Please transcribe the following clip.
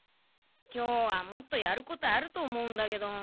今日はもっとやることあると思うんだけど。